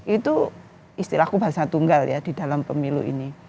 itu istilahku bahasa tunggal ya di dalam pemilu ini